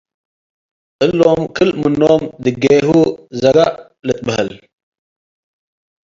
እሎም ክል-ምኖም ድጌሁ ዘጋ ልትበሀል ።